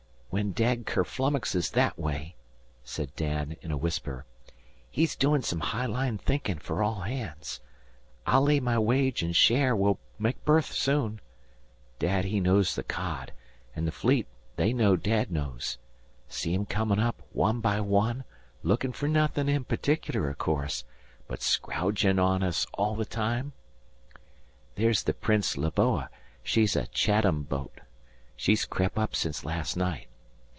"When Dad kerflummoxes that way," said Dan in a whisper, "he's doin' some high line thinkin' fer all hands. I'll lay my wage an' share we'll make berth soon. Dad he knows the cod, an' the Fleet they know Dad knows. 'See 'em comm' up one by one, lookin' fer nothin' in particular, o' course, but scrowgin' on us all the time? There's the Prince Leboo; she's a Chat ham boat. She's crep' up sence last night.